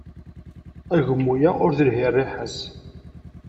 Agummu-a ur telhi rriḥa-s.